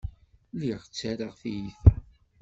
Lliɣ ttarraɣ tiyita.